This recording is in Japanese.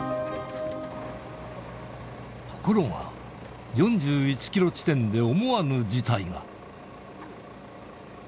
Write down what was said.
ところが、４１キロ地点で思わぬ事態が。